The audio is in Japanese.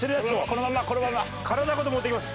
このままこのまま。